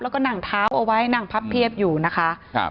แล้วก็นั่งเท้าเอาไว้นั่งพับเพียบอยู่นะคะครับ